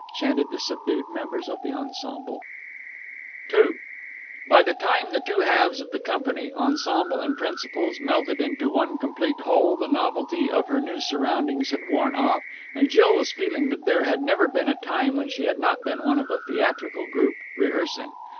chanted the subdued members of the ensemble. II By the time the two halves of the company, ensemble and principals, melted into one complete whole, the novelty of her new surroundings had worn off, and Jill was feeling that there had never been a time when she had not been one of a theatrical troupe, rehearsing.